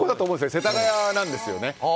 世田谷なんですね。